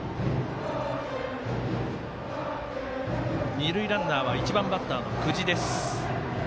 二塁ランナーは１番バッターの久慈です。